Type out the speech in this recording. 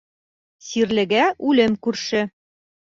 Сирлегә үлем күрше.